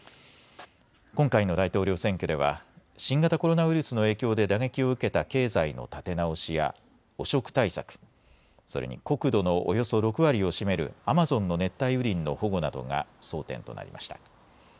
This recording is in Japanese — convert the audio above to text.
今回の大統領選挙では新型コロナウイルスの影響で打撃を受けた経済の立て直しや汚職対策、それに国土のおよそ６割を占めるアマゾンの熱帯雨林の保護などが争点となりました。